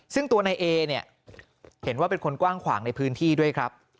ซึ่งตัวนายเอเนี่ยเห็นว่าเป็นคนกว้างขวางในพื้นที่ด้วยครับ